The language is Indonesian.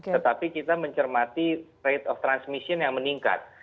tetapi kita mencermati rate of transmission yang meningkat